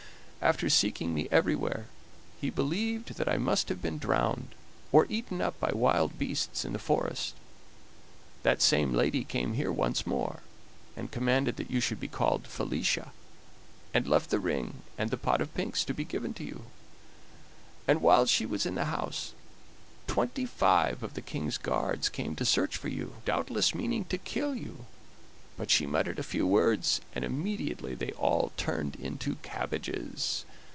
After seeking me everywhere he believed that I must have been drowned, or eaten up by wild beasts in the forest. That same lady came here once more, and commanded that you should be called Felicia, and left the ring and the pot of pinks to be given to you; and while she was in the house twenty five of the King's guards came to search for you, doubtless meaning to kill you; but she muttered a few words, and immediately they all turned into cabbages.